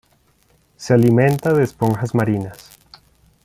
Se alimenta de esponjas marinas.